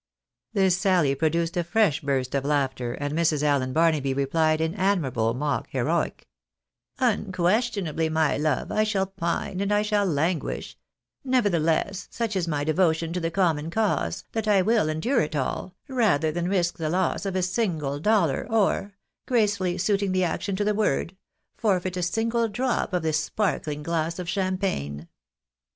" This saUy produced a fresh burst of laughter, and Mrs. Allen Bamaby replied in admirable mock heroic —" Unquestionably, my love, I shall pine and I shall languish ; nevertheless, such is my devotion to the common cause, that I will endure it all, rather than risk the loss of a single dollar, or," grace fully suiting the action to the word, " forfeit a single drop of this sparkling glass of champagne."